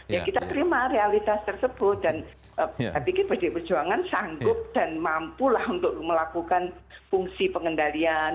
ya kita terima realitas tersebut dan saya pikir pdi perjuangan sanggup dan mampulah untuk melakukan fungsi pengendalian